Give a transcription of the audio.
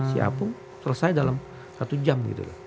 si hapung selesai dalam satu jam gitu